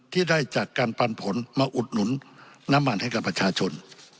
ที่ได้จากการปันผลมาอุดหนุนน้ำมันให้กับประชาชน